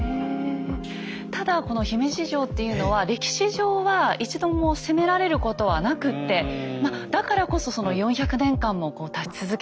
ただこの姫路城っていうのは歴史上は一度も攻められることはなくってまあだからこそその４００年間も立ち続けてる。